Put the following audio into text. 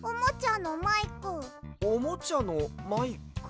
おもちゃのマイク？